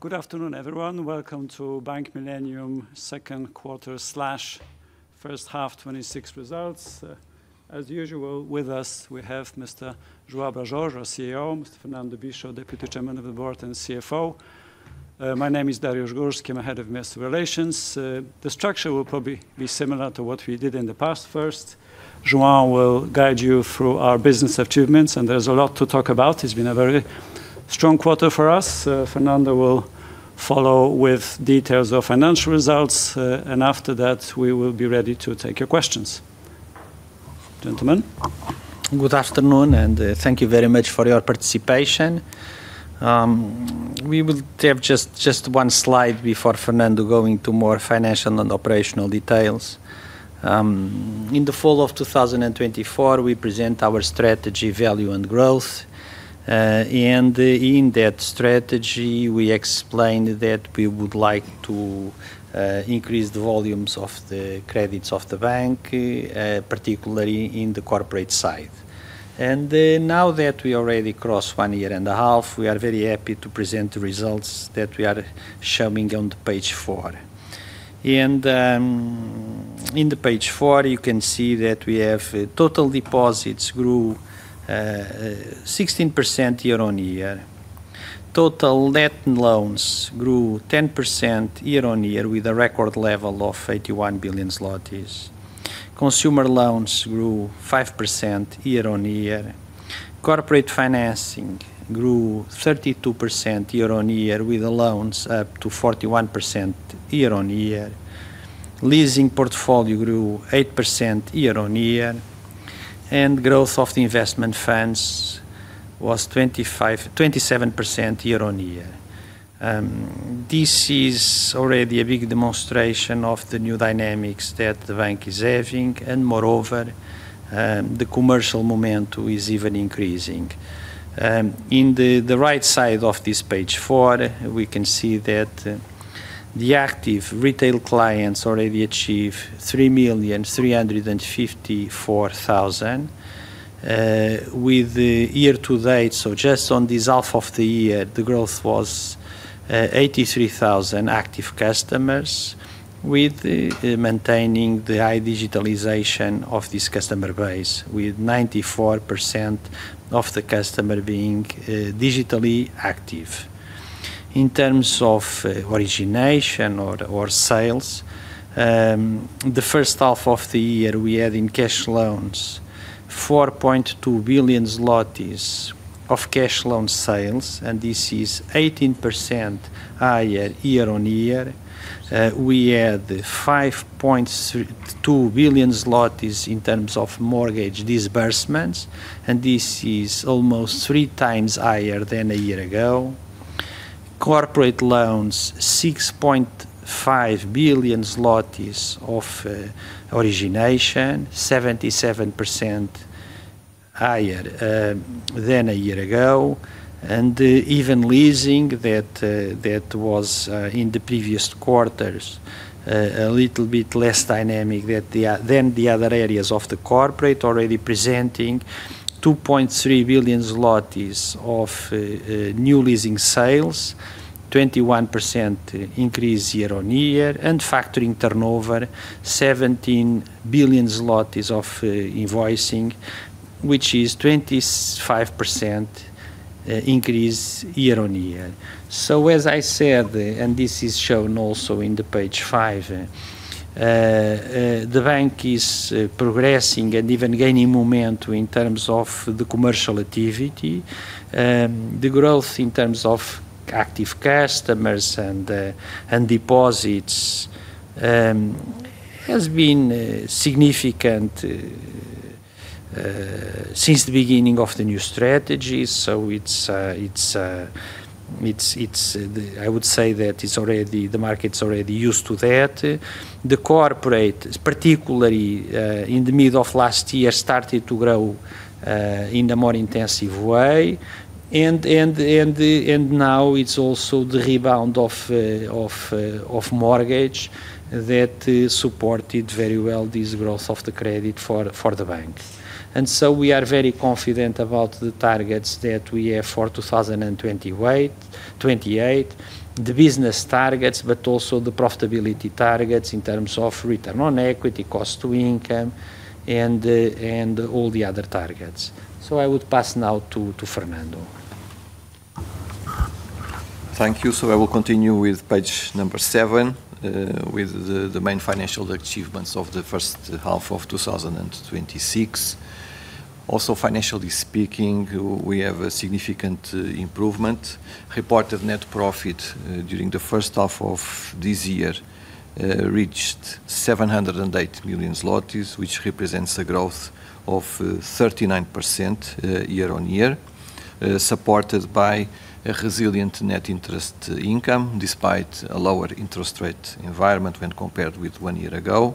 Good afternoon, everyone. Welcome to Bank Millennium second quarter/first half 2026 results. As usual, with us, we have Mr. João Jorge, our CEO, Fernando Bicho, Deputy Chairman of the Management Board and CFO. My name is Dariusz Górski, I'm Head of Investor Relations. The structure will probably be similar to what we did in the past. First, João will guide you through our business achievements, there's a lot to talk about. It's been a very strong quarter for us. Fernando will follow with details of financial results, after that, we will be ready to take your questions. Gentlemen. Good afternoon, thank you very much for your participation. We will have just one slide before Fernando going to more financial and operational details. In the fall of 2024, we present our strategy, value, and growth. In that strategy, we explained that we would like to increase the volumes of the credits of the bank, particularly in the corporate side. Now that we already crossed one year and a half, we are very happy to present the results that we are showing on page four. In page four, you can see that we have total deposits grew 16% year-on-year. Total net loans grew 10% year-on-year with a record level of 81 billion zlotys. Consumer loans grew 5% year-on-year. Corporate financing grew 32% year-on-year with the loans up to 41% year-on-year. Leasing portfolio grew 8% year-on-year. Growth of the investment funds was 27% year-on-year. This is already a big demonstration of the new dynamics that the bank is having, moreover, the commercial momentum is even increasing. In the right side of this page four, we can see that the active retail clients already achieve 3.354 million, with the year-to-date. Just on this half of the year, the growth was 83,000 active customers with maintaining the high digitalization of this customer base, with 94% of the customer being digitally active. In terms of origination or sales, the first half of the year, we had in cash loans 4.2 billion zlotys of cash loan sales, this is 18% higher year-on-year. We had 5.2 billion zlotys in terms of mortgage disbursements, this is almost 3x higher than a year ago. Corporate loans, 6.5 billion zlotys of origination, 77% higher than a year ago. Even leasing that was in the previous quarters, a little bit less dynamic than the other areas of the corporate already presenting 2.3 billion zlotys of new leasing sales, 21% increase year-on-year and factoring turnover, 17 billion zlotys of invoicing, which is 25% increase year-on-year. As I said, this is shown also in the page five the bank is progressing and even gaining momentum in terms of the commercial activity. The growth in terms of active customers and deposits has been significant since the beginning of the new strategy. I would say that the market's already used to that. The corporate, particularly, in the middle of last year, started to grow in a more intensive way. It's also the rebound of mortgage that supported very well this growth of the credit for the bank. We are very confident about the targets that we have for 2028, the business targets, but also the profitability targets in terms of return on equity, cost to income, and all the other targets. I would pass now to Fernando. Thank you. I will continue with page number seven, with the main financial achievements of the first half of 2026. Also, financially speaking, we have a significant improvement. Reported net profit during the first half of this year reached 708 million zlotys, which represents a growth of 39% year-on-year, supported by a resilient net interest income despite a lower interest rate environment when compared with one year ago.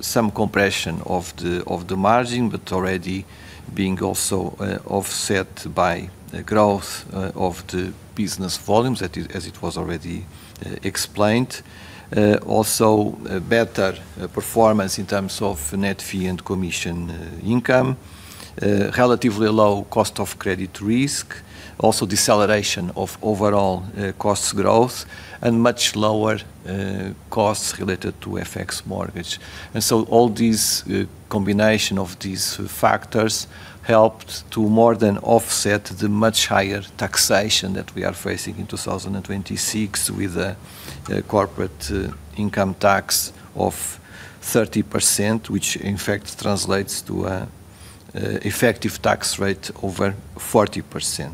Some compression of the margin, but already being also offset by growth of the business volumes as it was already explained. Also, better performance in terms of net fee and commission income. Relatively low cost of credit risk. Also deceleration of overall costs growth and much lower costs related to FX mortgage. All these combination of these factors helped to more than offset the much higher taxation that we are facing in 2026 with a corporate income tax of 30%, which in fact translates to effective tax rate over 40%.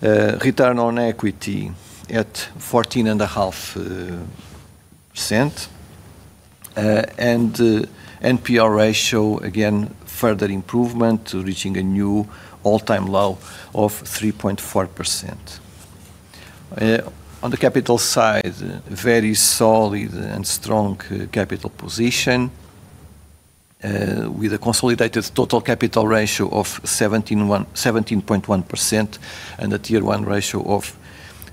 Return on equity at 14.5% and NPL ratio, again, further improvement to reaching a new all-time low of 3.4%. On the capital side, very solid and strong capital position with a consolidated total capital ratio of 17.1% and a Tier 1 ratio of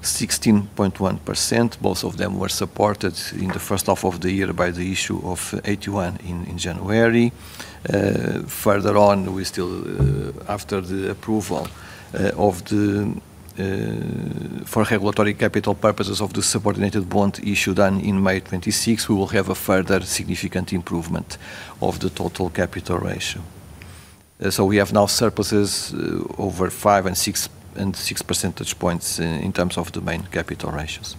16.1%. Both of them were supported in the first half of the year by the issue of AT1 in January. Further on, after the approval for regulatory capital purposes of the subordinated bond issue done in May 2026, we will have a further significant improvement of the total capital ratio. We have now surpluses over five and six percentage points in terms of the main capital ratios.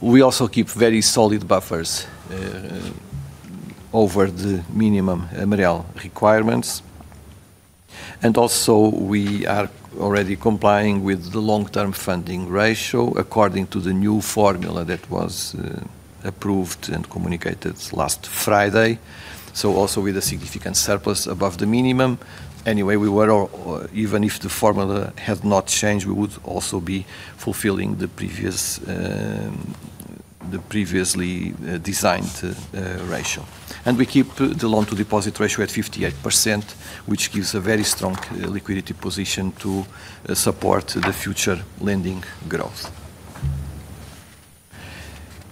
We also keep very solid buffers over the minimum MREL requirements. We are already complying with the long-term funding ratio according to the new formula that was approved and communicated last Friday. Also with a significant surplus above the minimum. Anyway, even if the formula had not changed, we would also be fulfilling the previously designed ratio. We keep the loan-to-deposit ratio at 58%, which gives a very strong liquidity position to support the future lending growth.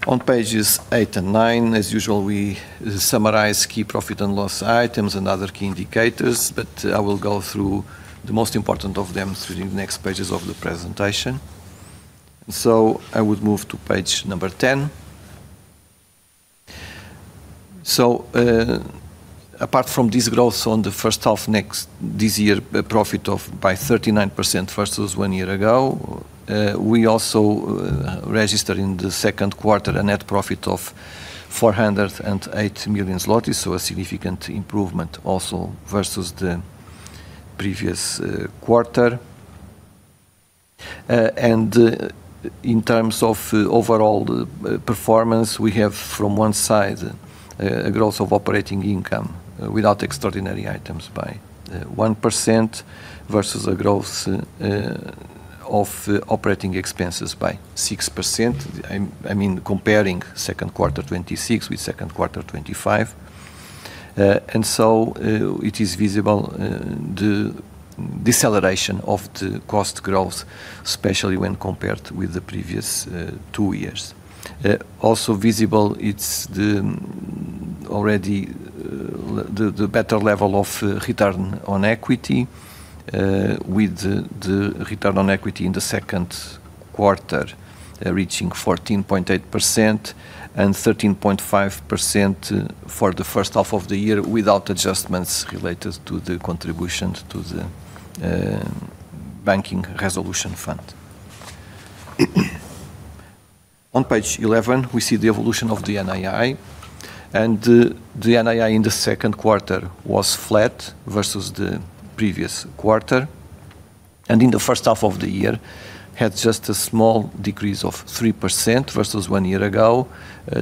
On pages eight and nine, as usual, we summarize key profit and loss items and other key indicators, but I will go through the most important of them through the next pages of the presentation. I would move to page 10. Apart from this growth on the first half this year, profit by 39% versus one year ago, we also registered in the second quarter a net profit of 408 million zlotys. A significant improvement also versus the previous quarter. In terms of overall performance, we have, from one side, a growth of operating income without extraordinary items by 1% versus a growth of operating expenses by 6%. I mean, comparing second quarter 2026 with second quarter 2025. It is visible the deceleration of the cost growth, especially when compared with the previous two years. Also visible, it is already the better level of return on equity, with the return on equity in the second quarter reaching 14.8% and 13.5% for the first half of the year without adjustments related to the contributions to the Bank Resolution Fund. On page 11, we see the evolution of the NII. The NII in the second quarter was flat versus the previous quarter, and in the first half of the year had just a small decrease of 3% versus one year ago,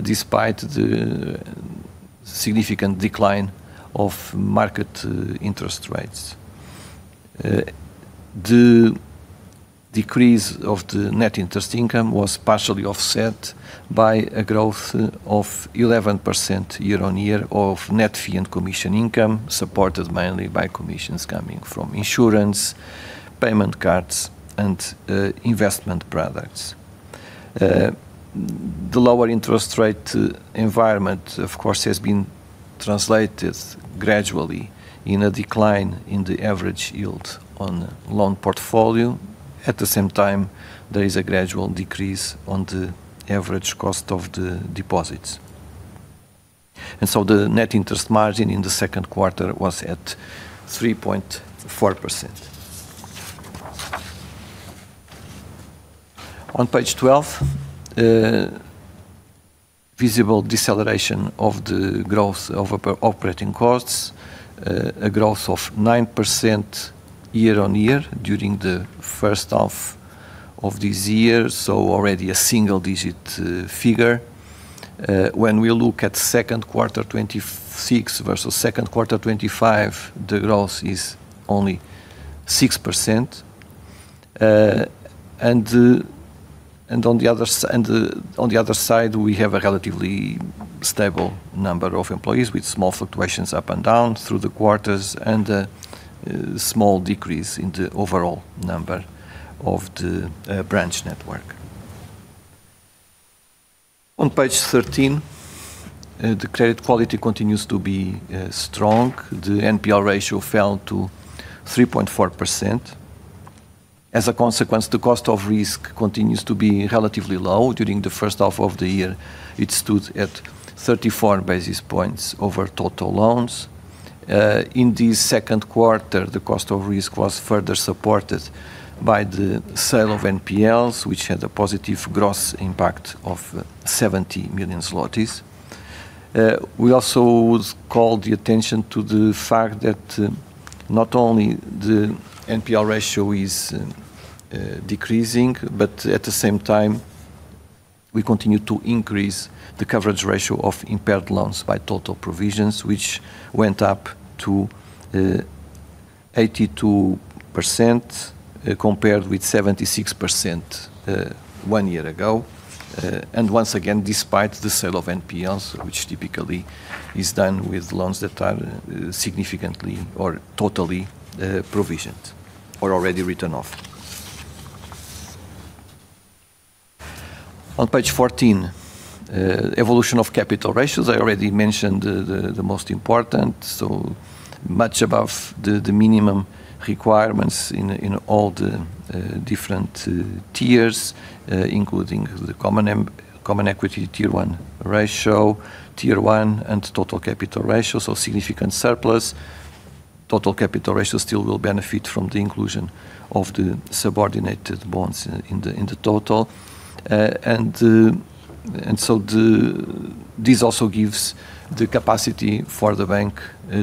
despite the significant decline of market interest rates. The decrease of the net interest income was partially offset by a growth of 11% year-on-year of net fee and commission income, supported mainly by commissions coming from insurance, payment cards, and investment products. The lower interest rate environment, of course, has been translated gradually in a decline in the average yield on loan portfolio. At the same time, there is a gradual decrease on the average cost of the deposits. The net interest margin in the second quarter was at 3.4%. On page 12, visible deceleration of the growth of operating costs, a growth of 9% year-on-year during the first half of this year, already a single-digit figure. When we look at second quarter 2026 versus second quarter 2025, the growth is only 6%. On the other side, we have a relatively stable number of employees with small fluctuations up and down through the quarters and a small decrease in the overall number of the branch network. On page 13, the credit quality continues to be strong. The NPL ratio fell to 3.4%. As a consequence, the cost of risk continues to be relatively low. During the first half of the year, it stood at 34 basis points over total loans. In the second quarter, the cost of risk was further supported by the sale of NPLs, which had a positive gross impact of 70 million zlotys. We also called the attention to the fact that not only the NPL ratio is decreasing, but at the same time, we continue to increase the coverage ratio of impaired loans by total provisions, which went up to 82% compared with 76% one year ago. Once again, despite the sale of NPLs, which typically is done with loans that are significantly or totally provisioned or already written off. On page 14, evolution of capital ratios. I already mentioned the most important, so much above the minimum requirements in all the different tiers, including the common equity tier-one ratio, tier one, and total capital ratios, so significant surplus. Total capital ratio still will benefit from the inclusion of the subordinated bonds in the total. This also gives the capacity for the bank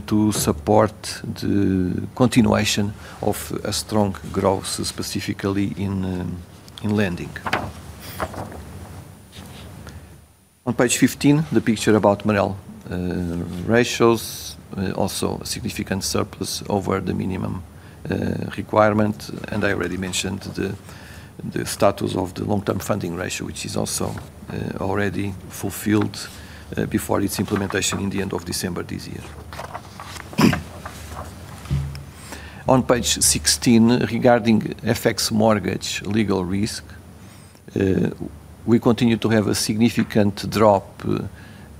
to support the continuation of a strong growth, specifically in lending. On page 15, the picture about MREL ratios, also a significant surplus over the minimum requirement. I already mentioned the status of the long-term funding ratio, which is also already fulfilled before its implementation in the end of December this year. On page 16, regarding FX mortgage legal risk, we continue to have a significant drop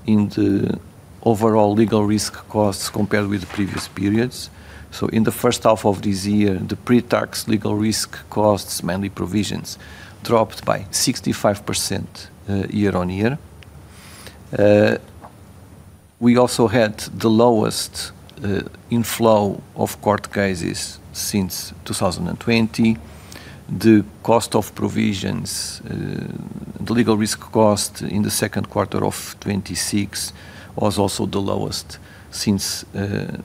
in the overall legal risk costs compared with previous periods. In the first half of this year, the pre-tax legal risk costs, mainly provisions, dropped by 65% year-on-year. We also had the lowest inflow of court cases since 2020. The cost of provisions, the legal risk cost in the second quarter of 2026 was also the lowest since 2020.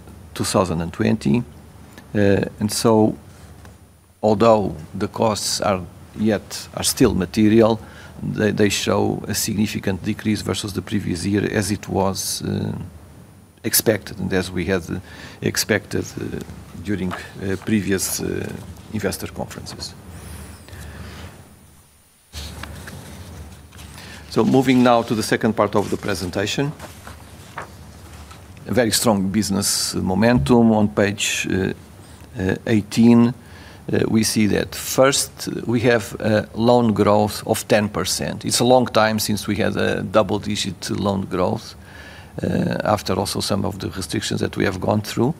Although the costs are still material, they show a significant decrease versus the previous year as it was expected and as we had expected during previous investor conferences. Moving now to the second part of the presentation. A very strong business momentum on page 18. We see that first we have loan growth of 10%. It is a long time since we had a double-digit loan growth, after also some of the restrictions that we have gone through.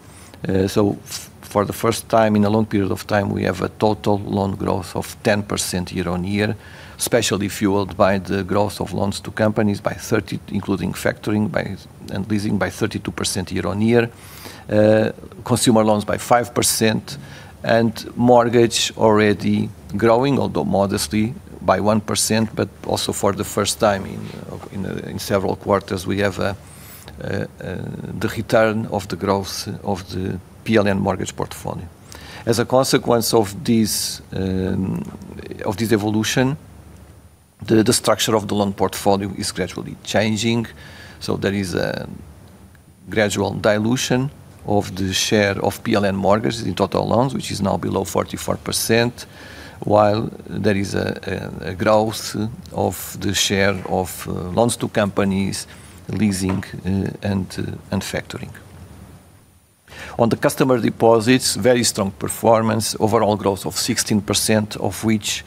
For the first time in a long period of time, we have a total loan growth of 10% year-on-year, especially fueled by the growth of loans to companies by 30%, including factoring and leasing by 32% year-on-year, consumer loans by 5%, and mortgage already growing, although modestly by 1%, but also for the first time in several quarters, we have the return of the growth of the PLN mortgage portfolio. As a consequence of this evolution, the structure of the loan portfolio is gradually changing. There is a gradual dilution of the share of PLN mortgage in total loans, which is now below 44%, while there is a growth of the share of loans to companies leasing and factoring. On the customer deposits, very strong performance, overall growth of 16%, of which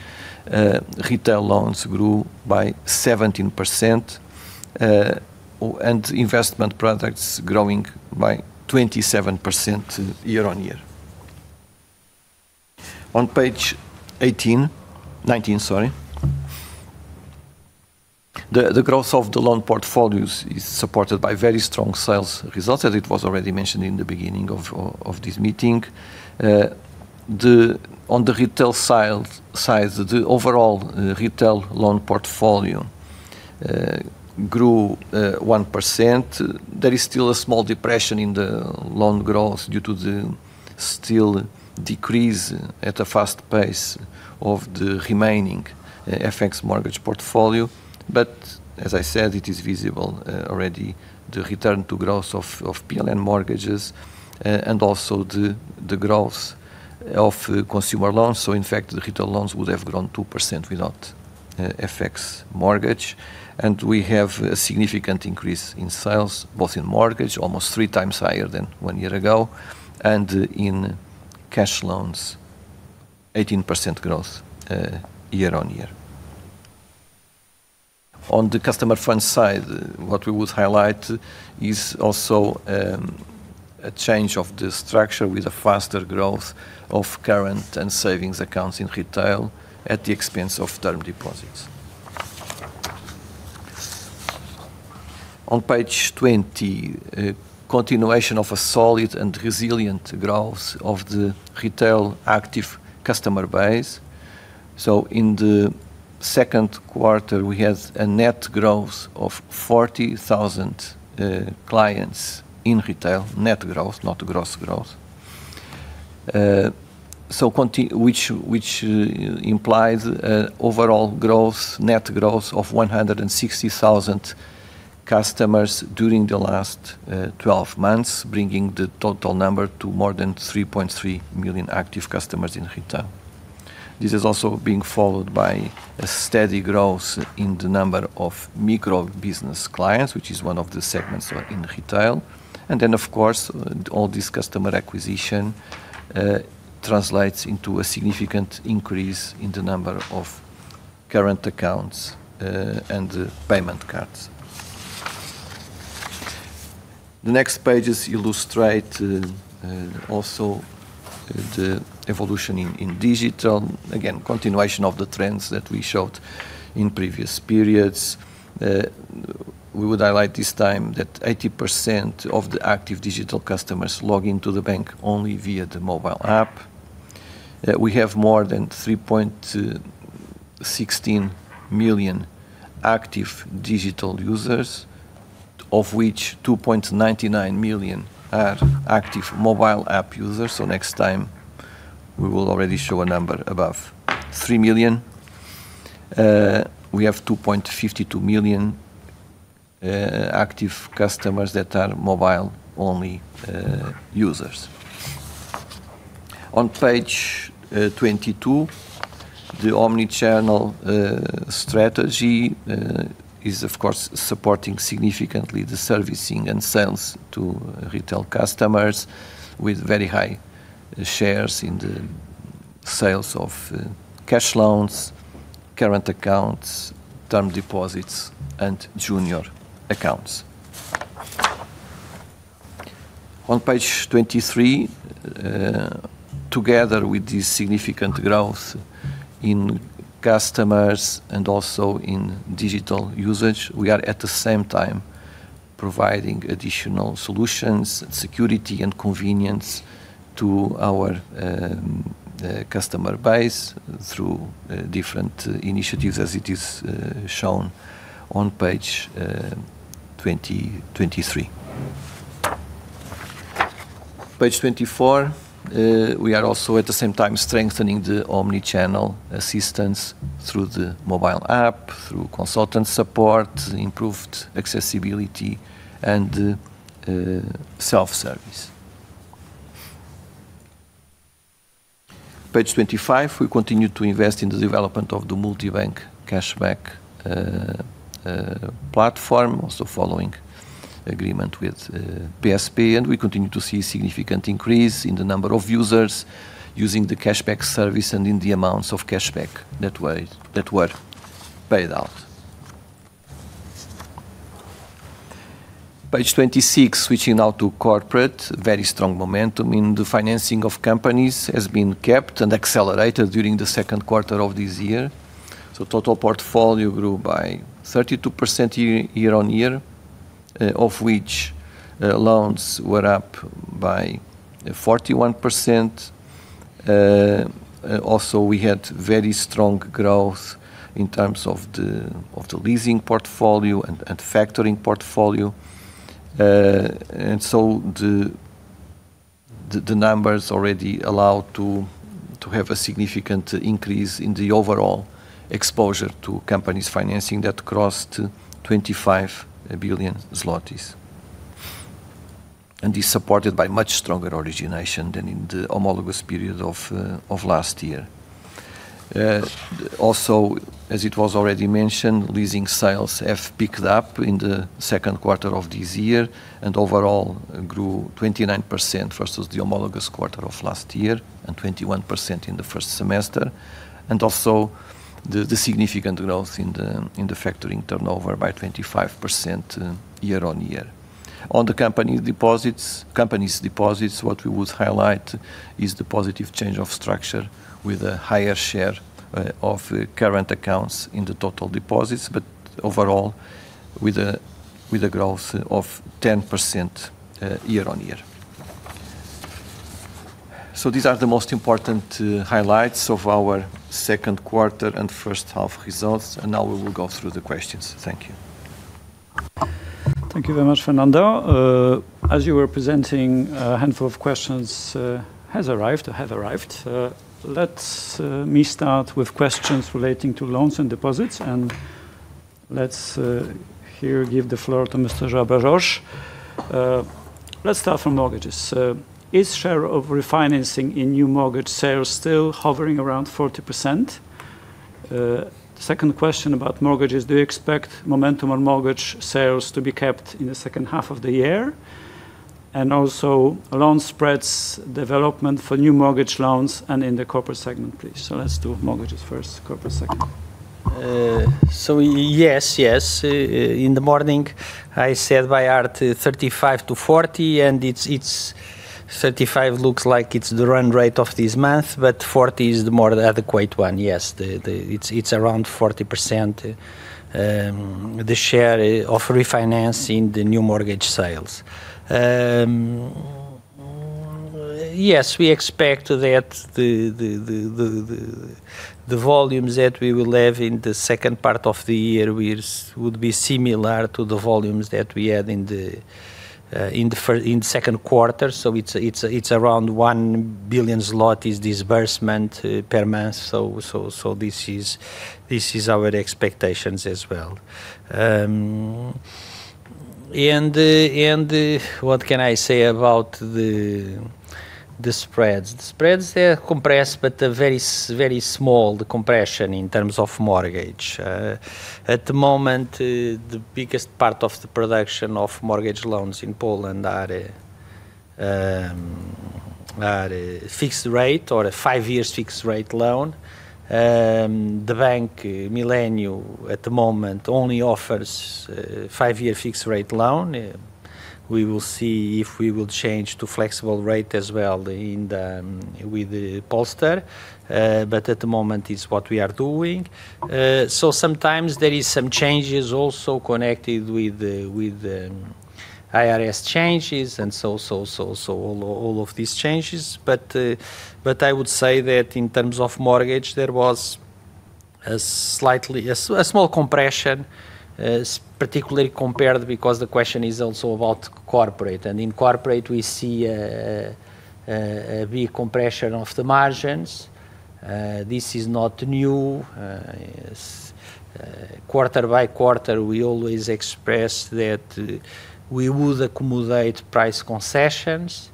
retail loans grew by 17%, and investment products growing by 27% year-on-year. On page 19, the growth of the loan portfolios is supported by very strong sales results, as it was already mentioned in the beginning of this meeting. On the retail sales side, the overall retail loan portfolio grew 1%. There is still a small depression in the loan growth due to the still decrease at a fast pace of the remaining FX mortgage portfolio. As I said, it is visible already the return to growth of PLN mortgages and also the growth of consumer loans. In fact, the retail loans would have grown 2% without FX mortgage. We have a significant increase in sales, both in mortgage, almost 3x higher than one year ago, and in cash loans, 18% growth year-on-year. On the customer front side, what we would highlight is also a change of the structure with a faster growth of current and savings accounts in retail at the expense of term deposits. On page 20, continuation of a solid and resilient growth of the retail active customer base. In the second quarter, we had a net growth of 40,000 clients in retail. Net growth, not gross growth, which implies overall net growth of 160,000 customers during the last 12 months, bringing the total number to more than 3.3 million active customers in retail. This is also being followed by a steady growth in the number of micro business clients, which is one of the segments in retail. Of course, all this customer acquisition translates into a significant increase in the number of current accounts and payment cards. The next pages illustrate also the evolution in digital. Continuation of the trends that we showed in previous periods. We would highlight this time that 80% of the active digital customers log into the bank only via the mobile app. We have more than 3.16 million active digital users, of which 2.99 million are active mobile app users. Next time we will already show a number above 3 million. We have 2.52 million active customers that are mobile-only users. On page 22, the omni-channel strategy is, of course, supporting significantly the servicing and sales to retail customers with very high shares in the sales of cash loans, current accounts, term deposits, and junior accounts. On page 23, together with this significant growth in customers and also in digital usage, we are at the same time providing additional solutions, security, and convenience to our customer base through different initiatives as it is shown on page 23. Page 24, we are also at the same time strengthening the omni-channel assistance through the mobile app, through consultant support, improved accessibility, and self-service. Page 25, we continue to invest in the development of the Bank Millennium Cashback platform, also following agreement with PSP, and we continue to see a significant increase in the number of users using the Cashback service and in the amounts of Cashback that were paid out. Page 26, switching now to corporate. Very strong momentum in the financing of companies has been kept and accelerated during the second quarter of this year. Total portfolio grew by 32% year-on-year, of which loans were up by 41%. Also, we had very strong growth in terms of the leasing portfolio and factoring portfolio. The numbers already allow to have a significant increase in the overall exposure to companies financing that crossed 25 billion zlotys and is supported by much stronger origination than in the homologous period of last year. Also, as it was already mentioned, leasing sales have picked up in the second quarter of this year and overall grew 29% versus the homologous quarter of last year and 21% in the first semester. The significant growth in the factoring turnover by 25% year-on-year. On the company's deposits, what we would highlight is the positive change of structure with a higher share of current accounts in the total deposits, but overall with a growth of 10% year-on-year. These are the most important highlights of our second quarter and first half results, now we will go through the questions. Thank you. Thank you very much, Fernando. As you were presenting, a handful of questions have arrived. Let me start with questions relating to loans and deposits, and let's here give the floor to Mr. Robert Roche. Let's start from mortgages. Is share of refinancing in new mortgage sales still hovering around 40%? Second question about mortgages, do you expect momentum on mortgage sales to be kept in the second half of the year? Loan spreads development for new mortgage loans and in the corporate segment, please. Let's do mortgages first, corporate second. Yes. In the morning, I said we are at 35%-40%, and 35% looks like it's the run rate of this month, but 40% is the more adequate one. Yes, it's around 40% the share of refinancing the new mortgage sales. Yes, we expect that the volumes that we will have in the second part of the year would be similar to the volumes that we had in second quarter. It's around 1 billion zloty disbursement per month. This is our expectations as well. What can I say about the spreads? The spreads there compress but they're very small, the compression in terms of mortgage. At the moment, the biggest part of the production of mortgage loans in Poland are fixed rate or a five-year fixed rate loan. Bank Millennium at the moment only offers five-year fixed rate loan. We will see if we will change to flexible rate as well with the POLSTR. At the moment, it's what we are doing. Sometimes there is some changes also connected with IRS changes and all of these changes. I would say that in terms of mortgage, there was a small compression, particularly compared because the question is also about corporate. In corporate we see a big compression of the margins. This is not new. Quarter-by-quarter, we always express that we would accumulate price concessions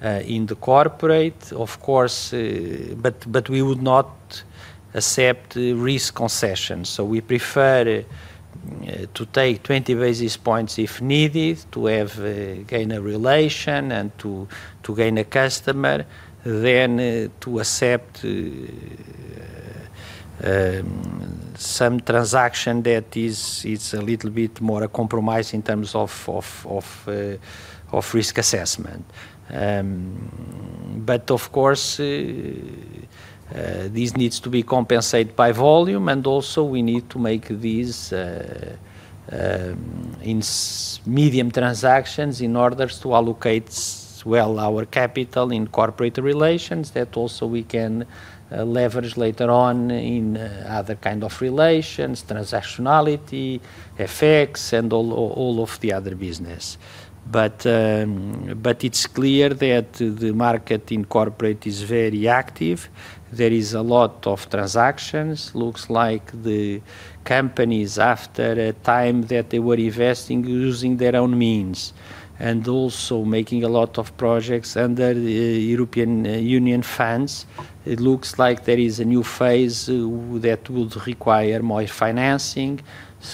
in the corporate, of course, but we would not accept risk concessions. We prefer to take 20 basis points if needed to gain a relation and to gain a customer than to accept some transaction that it's a little bit more a compromise in terms of risk assessment. Of course, this needs to be compensated by volume. We need to make these in medium transactions in order to allocate well our capital in corporate relations that also we can leverage later on in other kind of relations, transactionality, effects, and all of the other business. It's clear that the market in corporate is very active. There is a lot of transactions. Looks like the companies after a time that they were investing using their own means, and also making a lot of projects under the European Union funds. It looks like there is a new phase that would require more financing.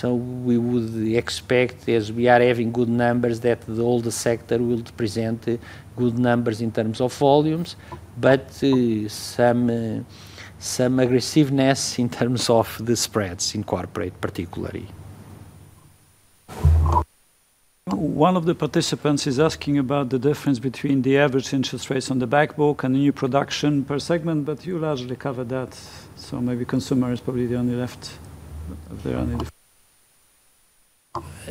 We would expect, as we are having good numbers, that all the sector will present good numbers in terms of volumes, but some aggressiveness in terms of the spreads in corporate particularly. One of the participants is asking about the difference between the average interest rates on the back book and new production per segment, but you largely covered that, so maybe consumer is probably the only left. Is there any Yes. Consumer is the one that is more index the pricing for the interest rates directly because, of course,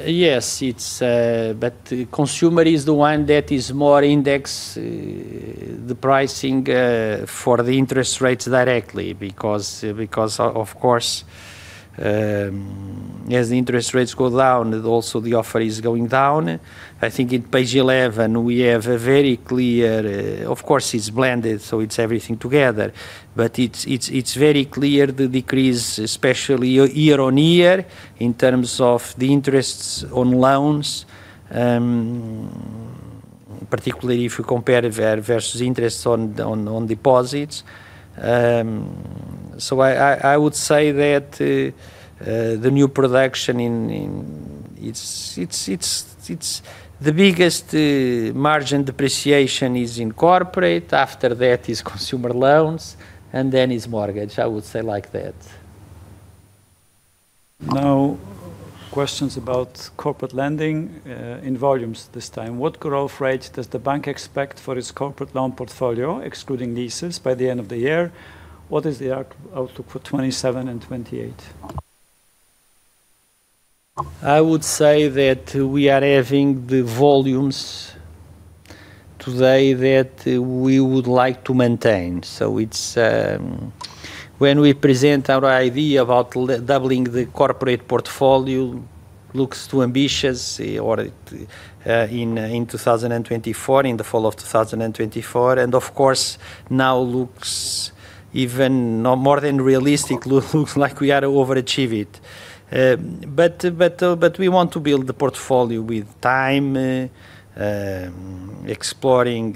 as the interest rates go down, also the offer is going down. I think in page 11 we have a very clear, of course, it's blended, so it's everything together. It's very clear the decrease, especially year-on-year, in terms of the interests on loans, particularly if you compare versus interests on deposits. I would say that the new production, the biggest margin depreciation is in corporate, after that is consumer loans, and then is mortgage. I would say like that. Questions about corporate lending in volumes this time. What growth rate does the bank expect for its corporate loan portfolio, excluding leases by the end of the year? What is the outlook for 2027 and 2028? I would say that we are having the volumes today that we would like to maintain. When we present our idea about doubling the corporate portfolio, looks too ambitious in 2024, in the fall of 2024. Of course, now looks even more than realistic. Looks like we had to overachieve it. We want to build the portfolio with time, exploring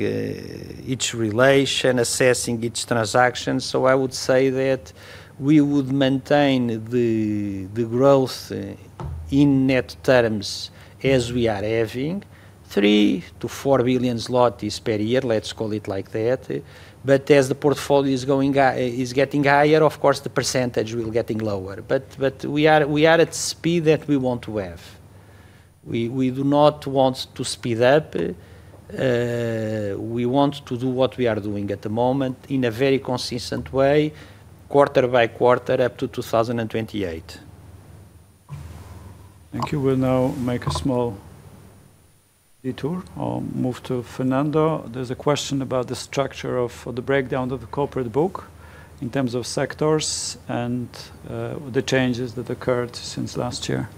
each relation, assessing each transaction. I would say that we would maintain the growth in net terms as we are having 3 billion-4 billion zlotys per year, let's call it like that. As the portfolio is getting higher, of course, the percentage will getting lower. We are at speed that we want to have. We do not want to speed up. We want to do what we are doing at the moment in a very consistent way, quarter-by-quarter, up to 2028. Thank you. We will now make a small detour or move to Fernando. There is a question about the structure of the breakdown of the corporate book in terms of sectors and the changes that occurred since last year.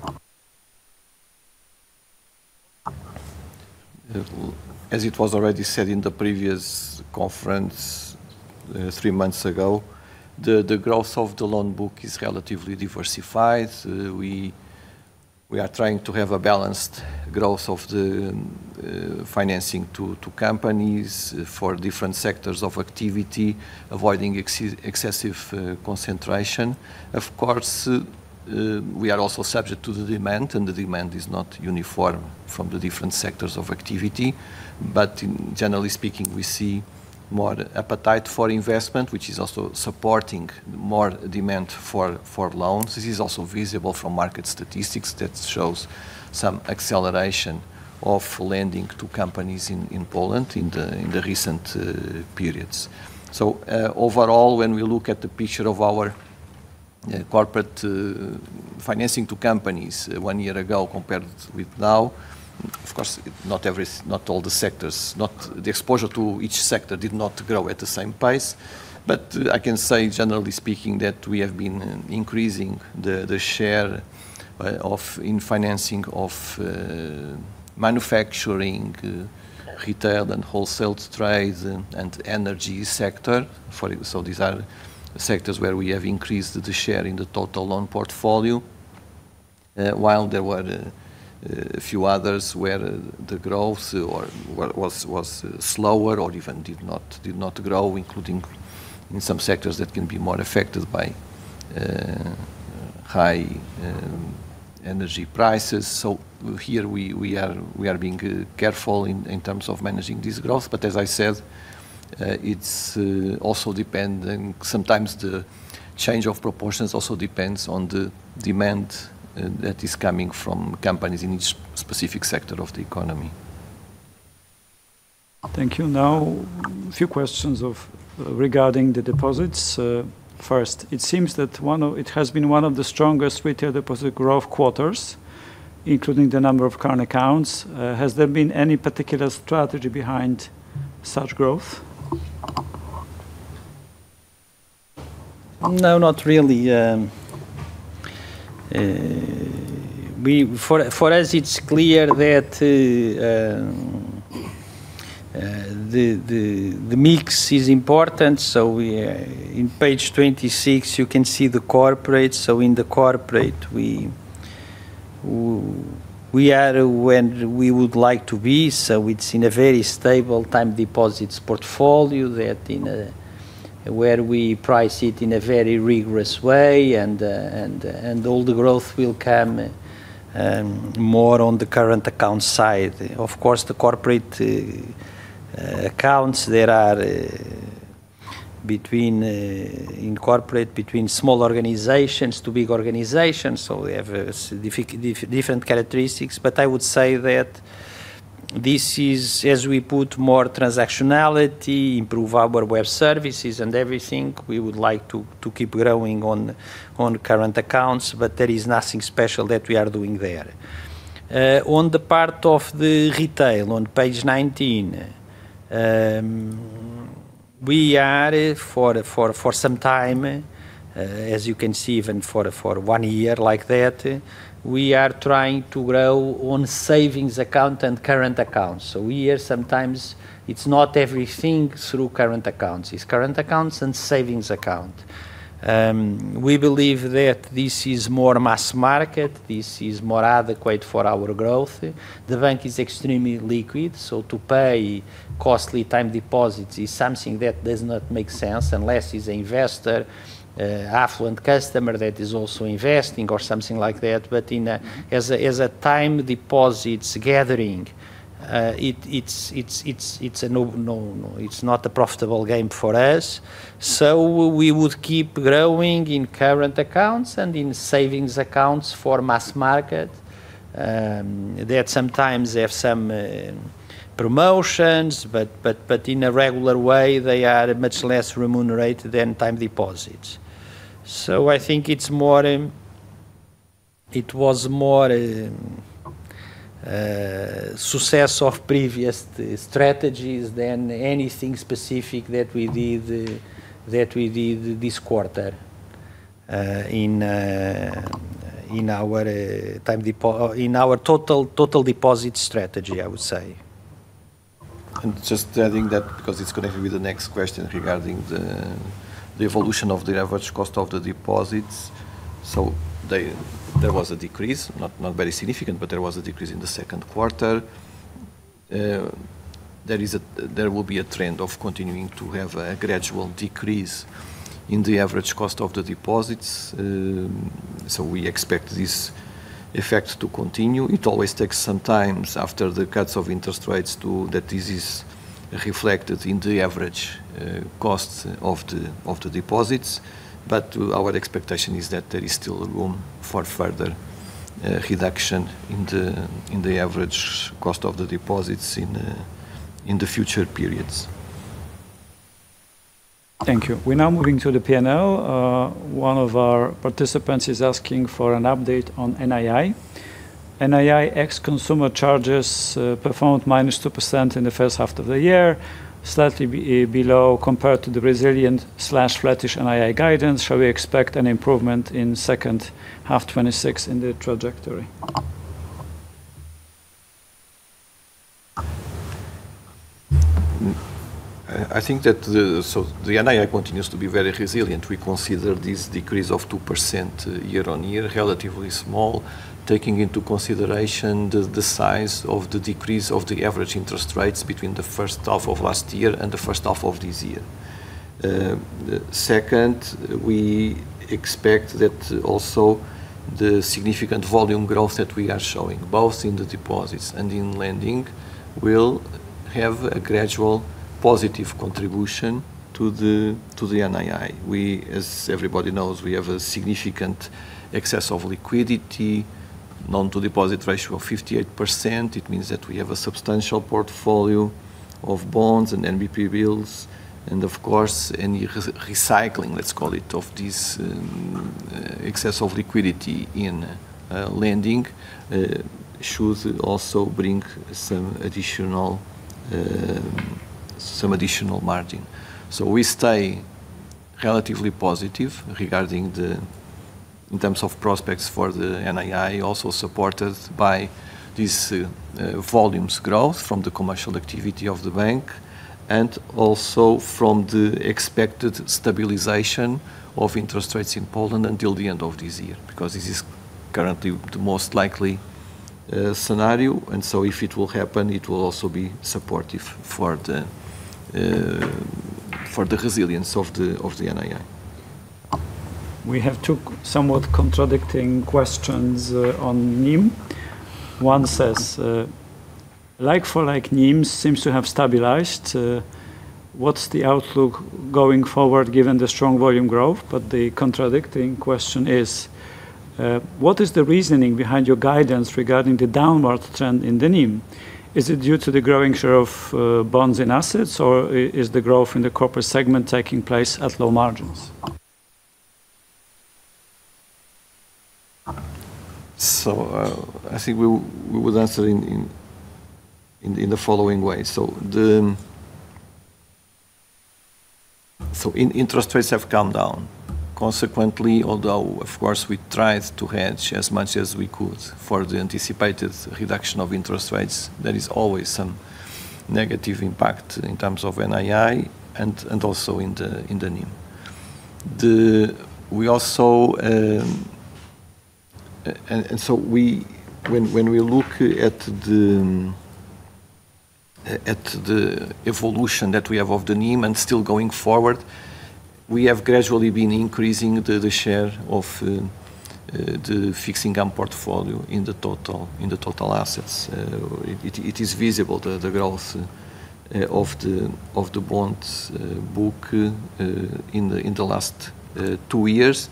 As it was already said in the previous conference three months ago, the growth of the loan book is relatively diversified. We are trying to have a balanced growth of the financing to companies for different sectors of activity, avoiding excessive concentration. Of course, we are also subject to the demand, and the demand is not uniform from the different sectors of activity. Generally speaking, we see more appetite for investment, which is also supporting more demand for loans. This is also visible from market statistics that shows some acceleration of lending to companies in Poland in the recent periods. Overall, when we look at the picture of our corporate financing to companies one year ago compared with now, of course, the exposure to each sector did not grow at the same pace. I can say, generally speaking, that we have been increasing the share in financing of manufacturing, retail and wholesale trades, and energy sector. These are sectors where we have increased the share in the total loan portfolio. While there were a few others where the growth was slower or even did not grow, including in some sectors that can be more affected by high energy prices. Here we are being careful in terms of managing this growth, but as I said, sometimes the change of proportions also depends on the demand that is coming from companies in each specific sector of the economy. Thank you. Now, a few questions regarding the deposits. First, it seems that it has been one of the strongest retail deposit growth quarters, including the number of current accounts. Has there been any particular strategy behind such growth? No, not really. For us, it's clear that the mix is important. In page 26, you can see the corporate. In the corporate, we are where we would like to be. It's in a very stable time deposits portfolio, where we price it in a very rigorous way and all the growth will come more on the current account side. Of course, the corporate accounts, there are in corporate between small organizations to big organizations, so they have different characteristics. I would say that as we put more transactionality, improve our web services and everything, we would like to keep growing on current accounts. There is nothing special that we are doing there. On the part of the retail on page 19, we are for some time, as you can see, even for one year like that, we are trying to grow on savings account and current accounts. Here sometimes it's not everything through current accounts. It's current accounts and savings account. We believe that this is more mass market, this is more adequate for our growth. The bank is extremely liquid, to pay costly time deposits is something that does not make sense unless it's a investor, affluent customer that is also investing or something like that. As a time deposits gathering, it's not a profitable game for us. We would keep growing in current accounts and in savings accounts for mass market. They at some times have some promotions, in a regular way they are much less remunerated than time deposits. I think it was more success of previous strategies than anything specific that we did this quarter in our total deposit strategy, I would say. Just adding that, because it's going to be the next question regarding the evolution of the average cost of the deposits. There was a decrease, not very significant, but there was a decrease in the second quarter. There will be a trend of continuing to have a gradual decrease in the average cost of the deposits. We expect this effect to continue. It always takes some time after the cuts of interest rates that this is reflected in the average cost of the deposits. Our expectation is that there is still room for further reduction in the average cost of the deposits in the future periods. Thank you. We're now moving to the P&L. One of our participants is asking for an update on NII. NII ex consumer charges performed -2% in the first half of the year, slightly below compared to the resilient/flattish NII guidance. Shall we expect an improvement in second half 2026 in the trajectory? I think the NII continues to be very resilient. We consider this decrease of 2% year-on-year relatively small, taking into consideration the size of the decrease of the average interest rates between the first half of last year and the first half of this year. Second, we expect that also the significant volume growth that we are showing, both in the deposits and in lending, will have a gradual positive contribution to the NII. As everybody knows, we have a significant excess of liquidity, loan-to-deposit ratio of 58%. It means that we have a substantial portfolio of bonds and NBP bills. Of course, any recycling, let's call it, of this excess of liquidity in lending should also bring some additional margin. We stay relatively positive in terms of prospects for the NII, also supported by this volumes growth from the commercial activity of the bank and also from the expected stabilization of interest rates in Poland until the end of this year. Because this is currently the most likely scenario. If it will happen, it will also be supportive for the resilience of the NII. We have two somewhat contradicting questions on NIM. One says: Like-for-like NIMs seems to have stabilized. What's the outlook going forward given the strong volume growth? The contradicting question is: What is the reasoning behind your guidance regarding the downward trend in the NIM? Is it due to the growing share of bonds and assets, or is the growth in the corporate segment taking place at low margins? I think we would answer in the following way. Interest rates have come down. Consequently, although, of course, we tried to hedge as much as we could for the anticipated reduction of interest rates, there is always some negative impact in terms of NII and also in the NIM. When we look at the evolution that we have of the NIM and still going forward, we have gradually been increasing the share of the fixed income portfolio in the total assets. It is visible, the growth of the bonds book in the last two years.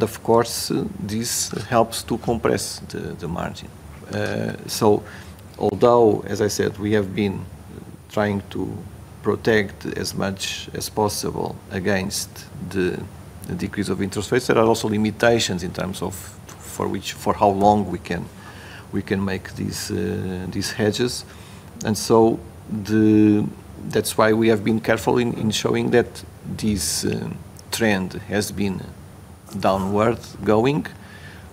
Of course, this helps to compress the margin. Although, as I said, we have been trying to protect as much as possible against the decrease of interest rates, there are also limitations in terms of for how long we can make these hedges. That's why we have been careful in showing that this trend has been downward going.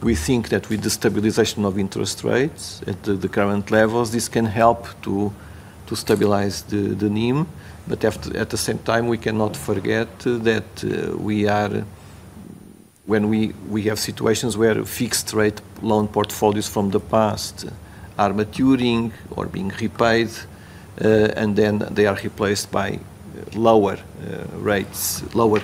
We think that with the stabilization of interest rates at the current levels, this can help to stabilize the NIM. At the same time, we cannot forget that when we have situations where fixed rate loan portfolios from the past are maturing or being repaid, then they are replaced by lower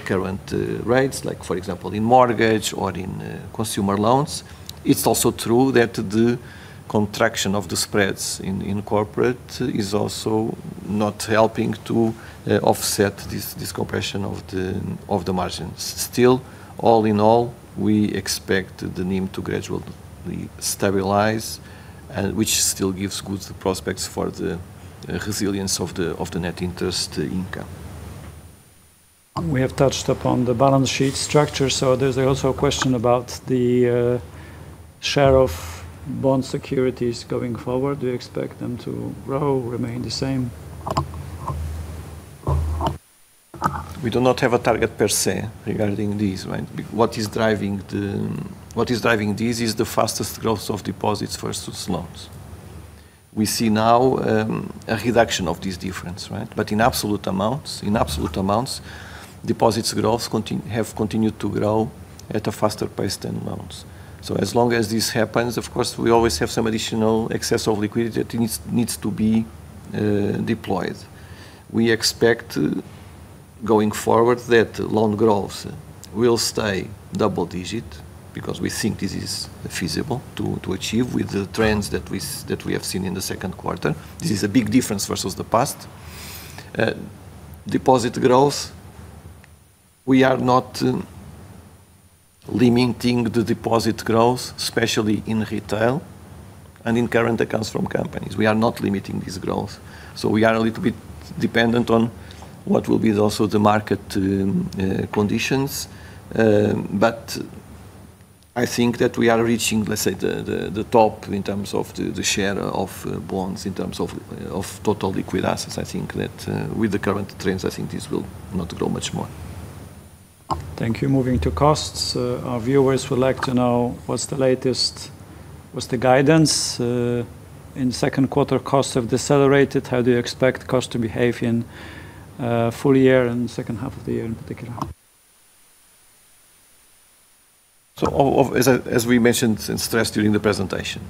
current rates, like for example, in mortgage or in consumer loans. It's also true that the contraction of the spreads in corporate is also not helping to offset this compression of the margins. All in all, we expect the NIM to gradually stabilize, which still gives good prospects for the resilience of the net interest income. We have touched upon the balance sheet structure. There's also a question about the share of bond securities going forward. Do you expect them to grow, remain the same? We do not have a target per se regarding this, right? What is driving this is the fastest growth of deposits versus loans. We see now a reduction of this difference, right? In absolute amounts, deposits have continued to grow at a faster pace than loans. As long as this happens, of course, we always have some additional excess of liquidity that needs to be deployed. We expect going forward that loan growth will stay double-digit because we think this is feasible to achieve with the trends that we have seen in the second quarter. This is a big difference versus the past. Deposit growth, we are not limiting the deposit growth, especially in retail and in current accounts from companies. We are not limiting this growth. We are a little bit dependent on what will be also the market conditions. I think that we are reaching, let's say, the top in terms of the share of bonds, in terms of total liquid assets. I think that with the current trends, I think this will not grow much more. Thank you. Moving to costs. Our viewers would like to know what's the latest, what's the guidance. In second quarter, costs have decelerated. How do you expect cost to behave in full-year and second half of the year in particular? As we mentioned and stressed during the presentation,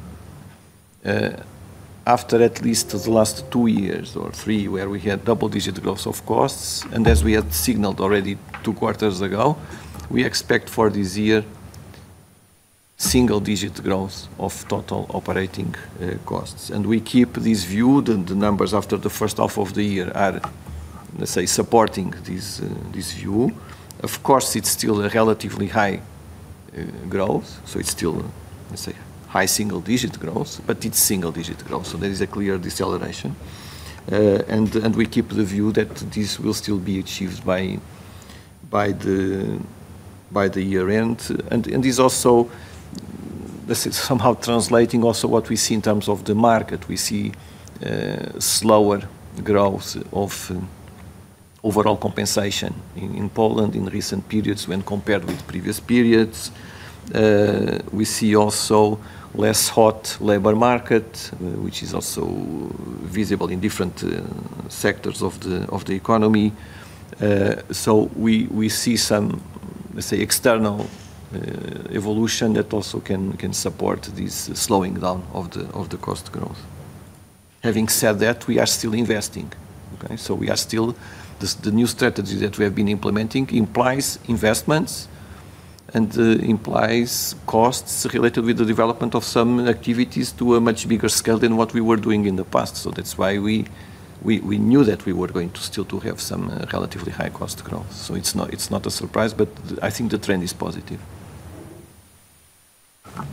after at least the last two years or three where we had double-digit growth of costs, as we had signaled already two quarters ago, we expect for this year single-digit growth of total operating costs. We keep this view that the numbers after the first half of the year are, let's say, supporting this view. Of course, it's still a relatively high growth, it's still, let's say, high single-digit growth, but it's single-digit growth, so there is a clear deceleration. We keep the view that this will still be achieved by the year-end. This is also somehow translating also what we see in terms of the market. We see slower growth of overall compensation in Poland in recent periods when compared with previous periods. We see also less hot labor market, which is also visible in different sectors of the economy. We see some, let's say, external evolution that also can support this slowing down of the cost growth. Having said that, we are still investing. Okay? The new strategy that we have been implementing implies investments and implies costs related with the development of some activities to a much bigger scale than what we were doing in the past. That's why we knew that we were going to still to have some relatively high cost growth. It's not a surprise, but I think the trend is positive.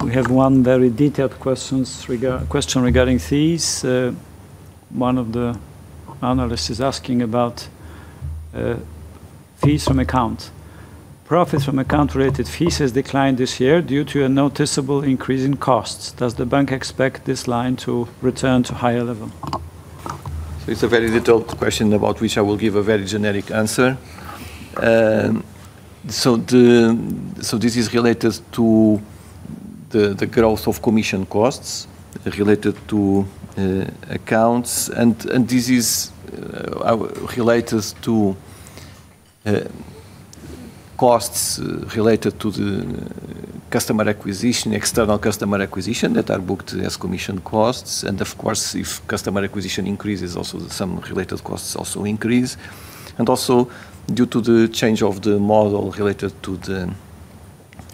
We have one very detailed question regarding fees. One of the analysts is asking about fees from accounts. Profits from account-related fees has declined this year due to a noticeable increase in costs. Does the bank expect this line to return to higher level? It's a very detailed question about which I will give a very generic answer. This is related to the growth of commission costs related to accounts, and this is related to costs related to the customer acquisition, external customer acquisition that are booked as commission costs. Of course, if customer acquisition increases, also some related costs also increase. Also, due to the change of the model related to the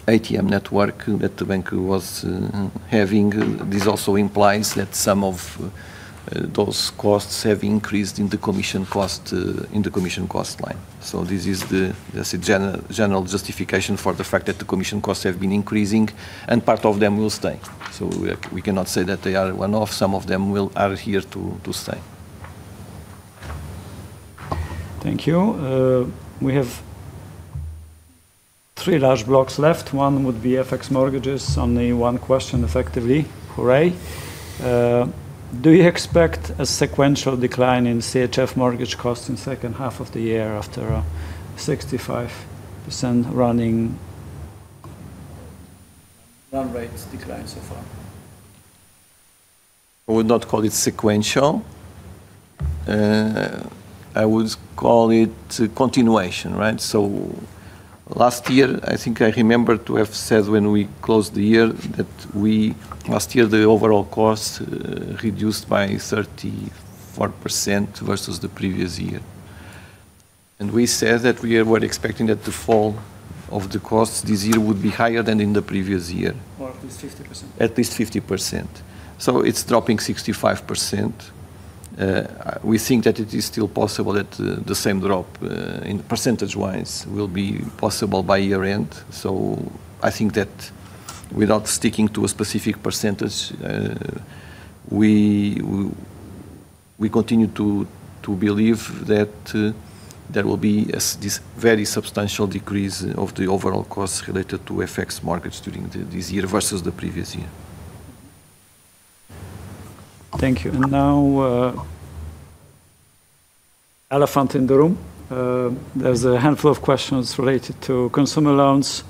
ATM network that the bank was having, this also implies that some of those costs have increased in the commission cost line. This is the general justification for the fact that the commission costs have been increasing, and part of them will stay. We cannot say that they are one-off. Some of them are here to stay. Thank you. We have three large blocks left. One would be FX mortgages. Only one question effectively. Hooray. Do you expect a sequential decline in CHF mortgage costs in second half of the year after a 65% running run rate decline so far? I would not call it sequential. I would call it continuation, right? Last year, I think I remember to have said when we closed the year that last year, the overall cost reduced by 34% versus the previous year. We said that we were expecting that the fall of the cost this year would be higher than in the previous year. At least 50%. At least 50%. It's dropping 65%. We think that it is still possible that the same drop in percentage-wise will be possible by year-end. I think that without sticking to a specific percentage, we continue to believe that there will be this very substantial decrease of the overall costs related to FX markets during this year versus the previous year. Thank you. Now, elephant in the room. There's a handful of questions related to consumer loans.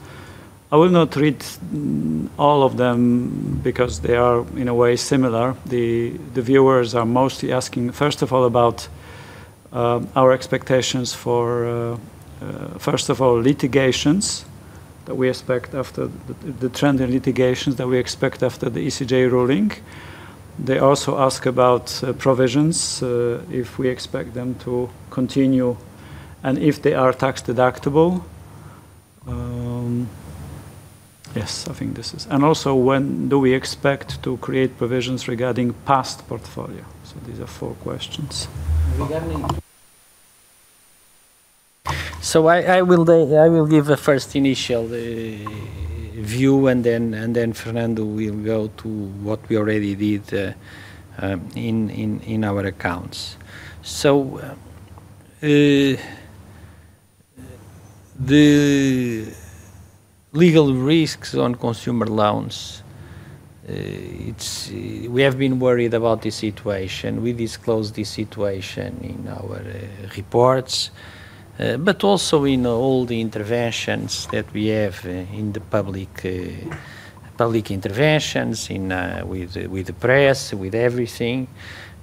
I will not read all of them because they are in a way similar. The viewers are mostly asking, first of all, about our expectations for, first of all, litigations that we expect after the trend in litigations that we expect after the ECJ ruling. They also ask about provisions, if we expect them to continue and if they are tax-deductible. Yes, I think this is. Also, when do we expect to create provisions regarding past portfolio? These are four questions. Regarding- I will give the first initial view and then Fernando will go to what we already did in our accounts. The legal risks on consumer loans, we have been worried about this situation. We disclose this situation in our reports, but also in all the interventions that we have in the public interventions, with the press, with everything,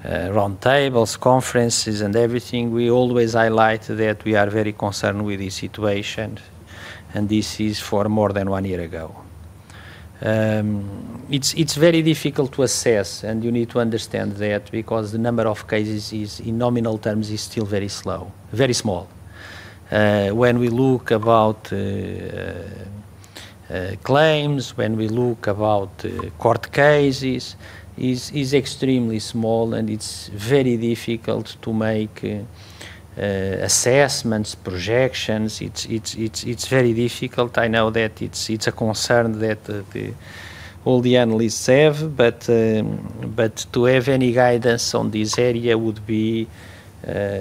round tables, conferences and everything. We always highlight that we are very concerned with this situation, and this is for more than one year ago. It's very difficult to assess, and you need to understand that because the number of cases is in nominal terms, is still very small. When we look about claims, when we look about court cases, is extremely small and it's very difficult to make assessments, projections. It's very difficult. I know that it's a concern that all the analysts have, but to have any guidance on this area would be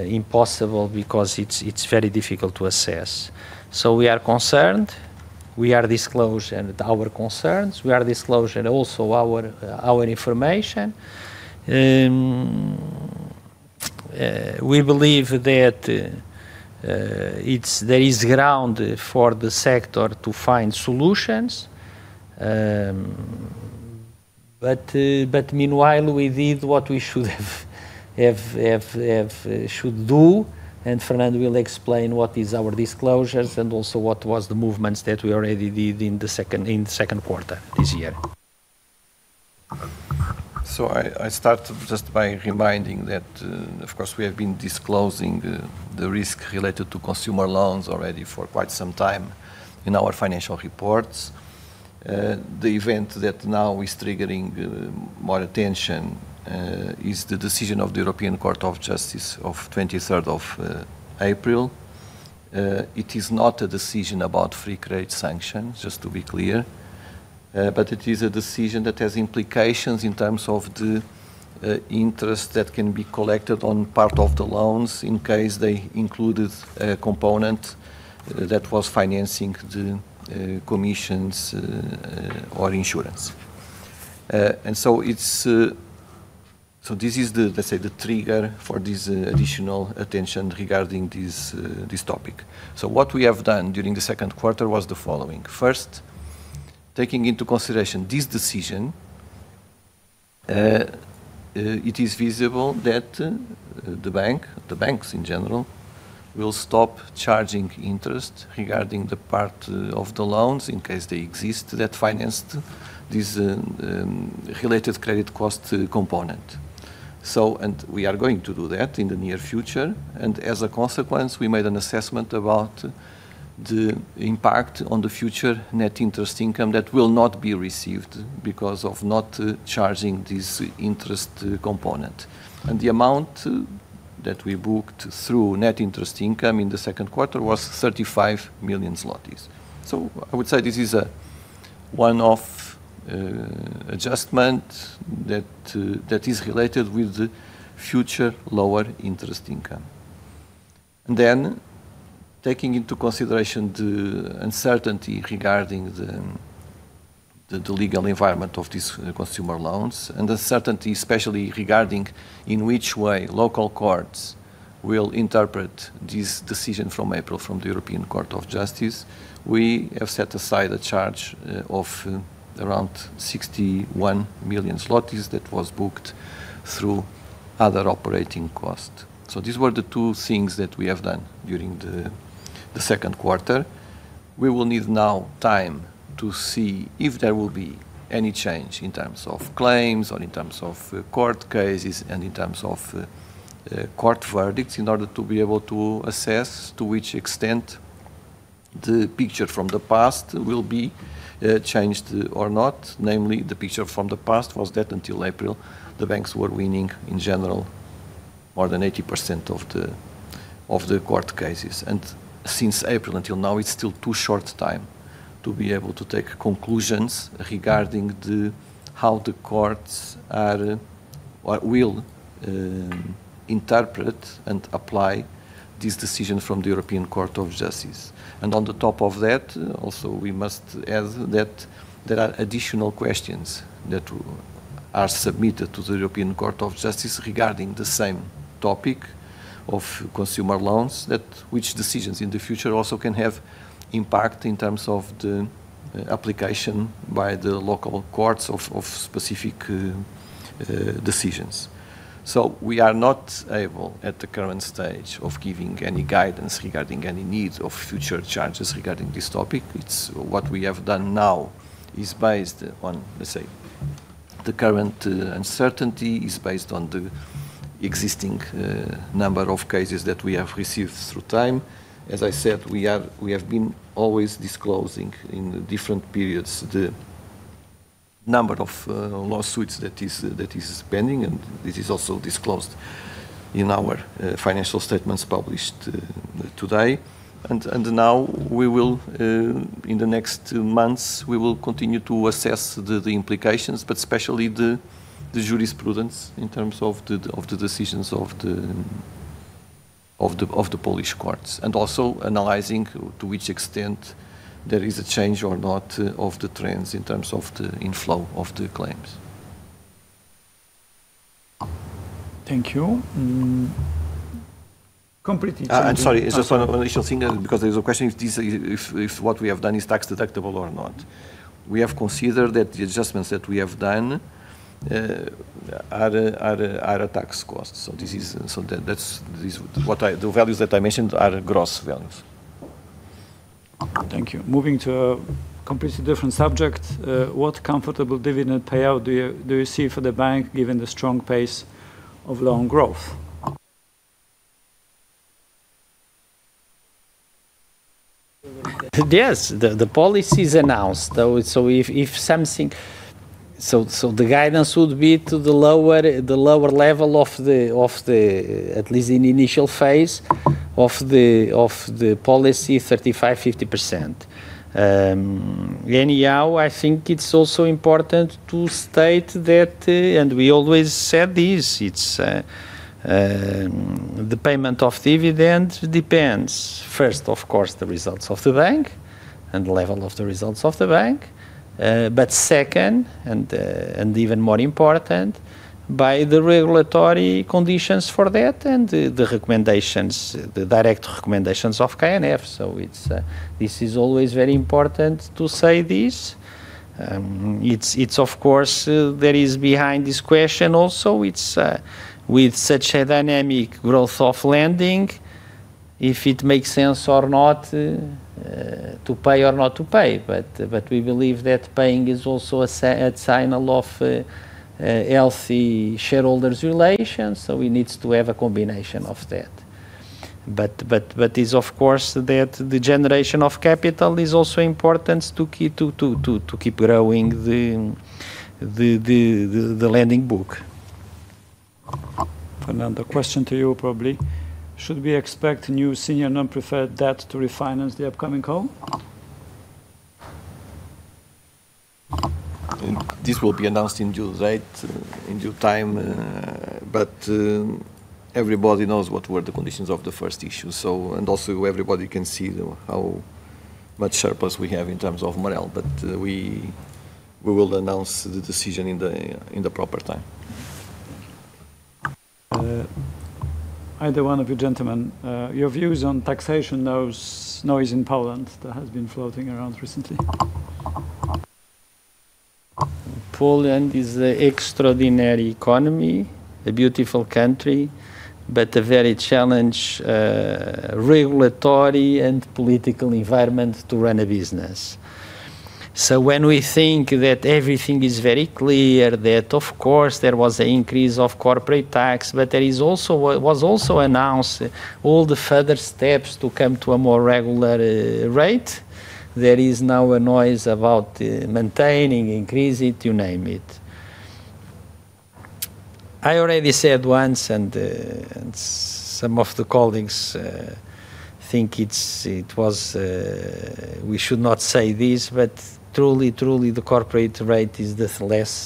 impossible because it's very difficult to assess. We are concerned. We are disclosing our concerns. We are disclosing also our information. We believe that there is ground for the sector to find solutions. Meanwhile, we did what we should do, and Fernando will explain what is our disclosures and also what was the movements that we already did in the second quarter this year. I start just by reminding that, of course, we have been disclosing the risk related to consumer loans already for quite some time in our financial reports. The event that now is triggering more attention is the decision of the European Court of Justice of 23rd of April. It is not a decision about free credit sanctions, just to be clear. It is a decision that has implications in terms of the interest that can be collected on part of the loans in case they included a component that was financing the commissions or insurance. This is, let's say, the trigger for this additional attention regarding this topic. What we have done during the second quarter was the following. First, taking into consideration this decision, it is feasible that the banks in general will stop charging interest regarding the part of the loans in case they exist that financed this related credit cost component. We are going to do that in the near future. As a consequence, we made an assessment about the impact on the future net interest income that will not be received because of not charging this interest component. The amount that we booked through net interest income in the second quarter was 35 million zlotys. I would say this is a one-off adjustment that is related with the future lower interest income. Taking into consideration the uncertainty regarding the legal environment of these consumer loans and the certainty, especially regarding in which way local courts will interpret this decision from April from the European Court of Justice, we have set aside a charge of around 61 million zlotys that was booked through other operating costs. These were the two things that we have done during the second quarter. We will need now time to see if there will be any change in terms of claims or in terms of court cases and in terms of court verdicts in order to be able to assess to which extent the picture from the past will be changed or not. Namely, the picture from the past was that until April, the banks were winning in general more than 80% of the court cases. Since April until now, it's still too short time to be able to take conclusions regarding how the courts will interpret and apply this decision from the European Court of Justice. On the top of that, also we must add that there are additional questions that are submitted to the European Court of Justice regarding the same topic of consumer loans, that which decisions in the future also can have impact in terms of the application by the local courts of specific decisions. We are not able at the current stage of giving any guidance regarding any needs of future charges regarding this topic. What we have done now is based on, let's say, the current uncertainty is based on the existing number of cases that we have received through time. As I said, we have been always disclosing in different periods the number of lawsuits that is pending, and this is also disclosed in our financial statements published today. Now, in the next two months, we will continue to assess the implications, but especially the jurisprudence in terms of the decisions of the Polish courts, and also analyzing to which extent there is a change or not of the trends in terms of the inflow of the claims. Thank you. Sorry, it's also an initial thing because there's a question if what we have done is tax deductible or not. We have considered that the adjustments that we have done are tax costs. The values that I mentioned are gross values. Thank you. Moving to a completely different subject. What comfortable dividend payout do you see for the bank given the strong pace of loan growth? Yes, the policy is announced. The guidance would be to the lower level of, at least in initial phase of the policy, 35%, 50%. I think it's also important to state that, and we always said this, the payment of dividend depends first, of course, the results of the bank and level of the results of the bank. Second, and even more important, by the regulatory conditions for that and the direct recommendations of KNF. This is always very important to say this. Of course, there is behind this question also, with such a dynamic growth of lending, if it makes sense or not to pay or not to pay. We believe that paying is also a sign of healthy shareholders relations. We need to have a combination of that. But it's of course that the generation of capital is also important to keep growing the lending book. Fernando, question to you probably. Should we expect new senior non-preferred debt to refinance the upcoming call? This will be announced in due date, in due time. Everybody knows what were the conditions of the first issue. Everybody can see how much surplus we have in terms of MREL. We will announce the decision in the proper time. Either one of you gentlemen, your views on taxation noise in Poland that has been floating around recently? Poland is an extraordinary economy, a beautiful country, a very challenged regulatory and political environment to run a business. When we think that everything is very clear, that of course there was an increase of corporate tax, was also announced all the further steps to come to a more regular rate. There is now a noise about maintaining, increase it, you name it. I already said once, some of the colleagues think we should not say this, truly the corporate rate is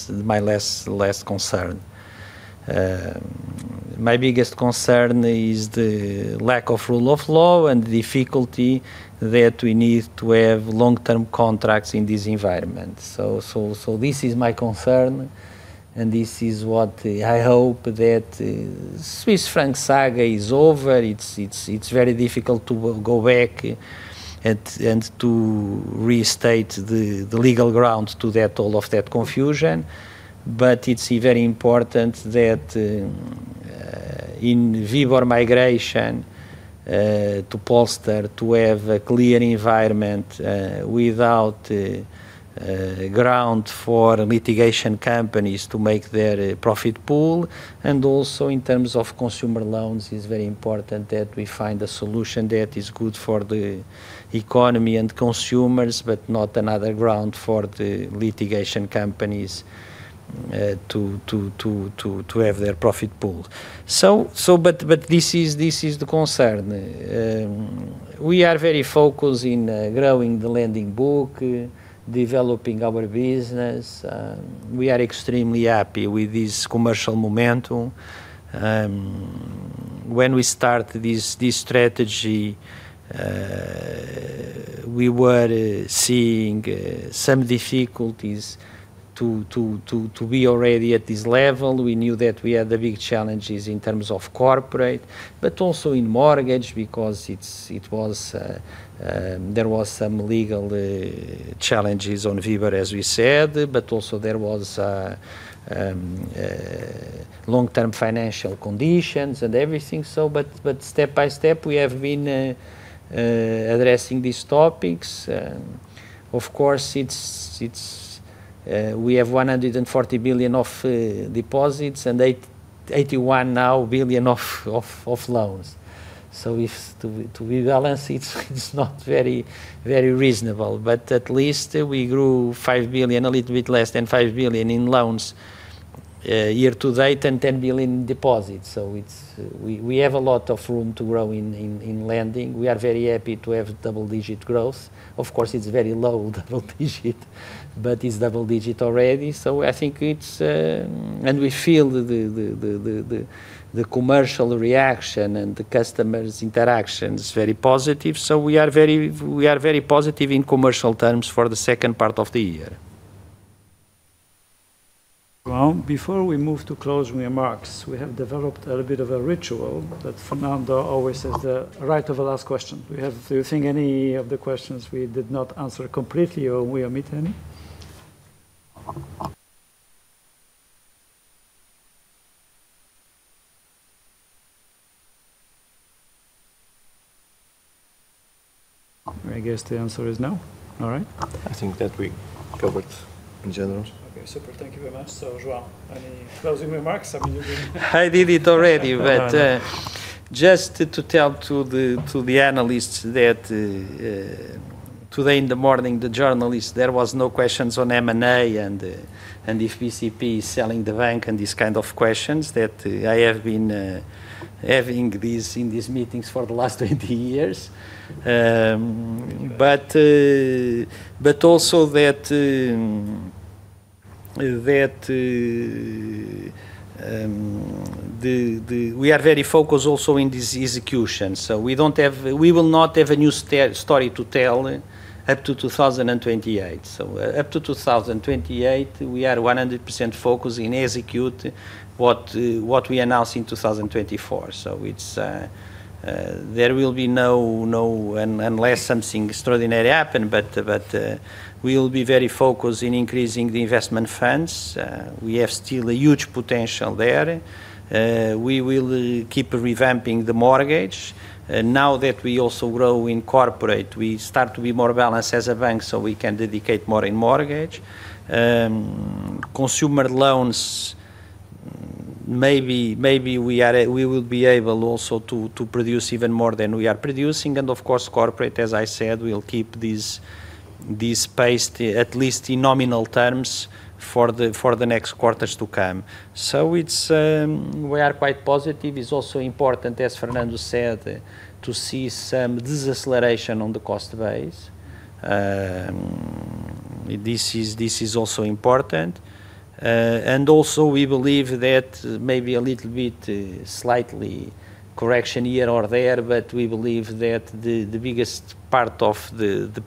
my last concern. My biggest concern is the lack of rule of law and the difficulty that we need to have long-term contracts in this environment. This is my concern and this is what I hope that the Swiss franc saga is over. It's very difficult to go back and to restate the legal grounds to all of that confusion. It's very important that in WIBOR migration to POLSTR, to have a clear environment without ground for litigation companies to make their profit pool. In terms of consumer loans, it's very important that we find a solution that is good for the economy and consumers, not another ground for the litigation companies to have their profit pooled. This is the concern. We are very focused in growing the lending book, developing our business. We are extremely happy with this commercial momentum. When we start this strategy, we were seeing some difficulties to be already at this level. We knew that we had the big challenges in terms of corporate, also in mortgage because there was some legal challenges on WIBOR, as we said, also there was long-term financial conditions and everything. Step by step, we have been addressing these topics. We have 140 billion of deposits and 81 billion of loans. To rebalance it is not very reasonable. At least we grew 5 billion, a little bit less than 5 billion in loans year-to-date and 10 billion in deposits. We have a lot of room to grow in lending. We are very happy to have double-digit growth. It's very low double-digit, but it's double-digit already. We feel the commercial reaction and the customer's interactions very positive. We are very positive in commercial terms for the second part of the year. João, before we move to closing remarks, we have developed a little bit of a ritual that Fernando always has the right of the last question. Do you think any of the questions we did not answer completely or we omit any? I guess the answer is no. All right. I think that we covered in general. Okay, super. Thank you very much. João, any closing remarks? I mean, you've been. I did it already, just to tell to the analysts that today in the morning, the journalists, there was no questions on M&A and if BCP is selling the bank and these kind of questions that I have been having in these meetings for the last 20 years. Also that we are very focused also in this execution. We will not have a new story to tell up to 2028. Up to 2028, we are 100% focused in execute what we announced in 2024. There will be no, unless something extraordinary happen, but we will be very focused in increasing the investment funds. We have still a huge potential there. We will keep revamping the mortgage. Now that we also grow in corporate, we start to be more balanced as a bank so we can dedicate more in mortgage. Consumer loans, maybe we will be able also to produce even more than we are producing. Of course, corporate, as I said, we'll keep this pace at least in nominal terms for the next quarters to come. We are quite positive. It's also important, as Fernando said, to see some deceleration on the cost base. This is also important. Also we believe that maybe a little bit slightly correction here or there, but we believe that the biggest part of the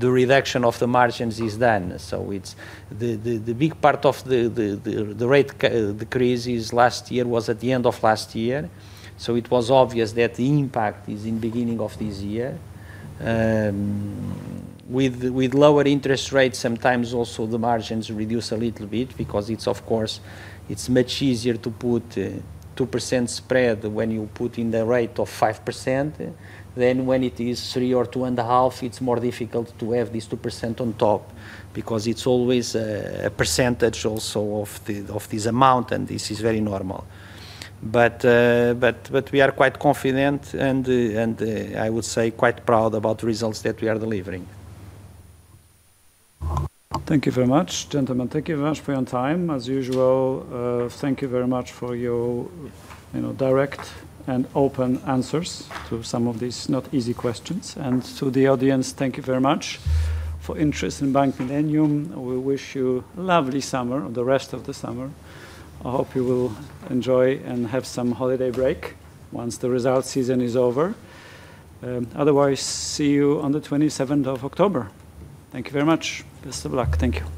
reduction of the margins is done. The big part of the rate decreases last year was at the end of last year. It was obvious that the impact is in beginning of this year. With lower interest rates, sometimes also the margins reduce a little bit because it's, of course, it's much easier to put 2% spread when you put in the rate of 5%. When it is 3% or 2.5%, it's more difficult to have this 2% on top because it's always a percentage also of this amount, and this is very normal. We are quite confident and I would say quite proud about the results that we are delivering. Thank you very much. Gentlemen, thank you very much for your time, as usual. Thank you very much for your direct and open answers to some of these not easy questions. To the audience, thank you very much for interest in Bank Millennium. We wish you lovely summer, the rest of the summer. I hope you will enjoy and have some holiday break once the result season is over. Otherwise, see you on the 27th of October. Thank you very much. Best of luck. Thank you